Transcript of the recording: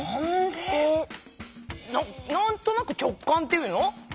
なんとなく直感っていうの？